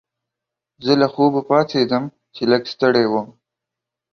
زه له خوبه پاڅیدم چې لږ ستړی وم.